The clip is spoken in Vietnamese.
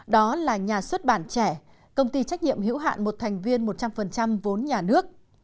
đó là nhà xuất bản trẻ công ty trách nhiệm hữu hạn một thành viên một trăm linh vốn nhà nước